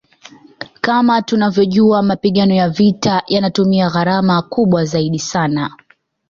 Kama tunavyojua mapigano ya vita yanatumia gharama kubwa sana